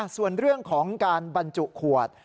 ส่วนเรื่องของการบรรจุขวด